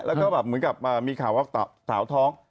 แล้วก็แบบเหมือนกับมีข่าวว่าสาวท้อง